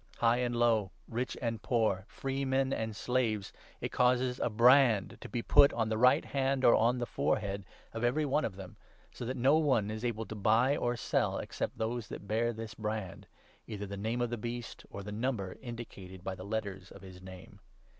High 16 and low, rich and poor, freemen and slaves — it causes a brand to be put on the right hand or on the forehead of every one of them, so that no one is able to buy or sell, except those that 17 bear this brand — either the name of the Beast or the number indicated by the letters of his name.